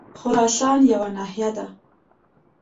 خراسان یوه ناحیه ده.